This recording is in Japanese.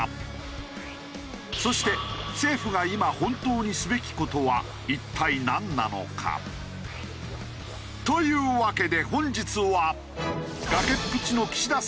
そして政府が今本当にすべき事は一体なんなのか？というわけで本日は。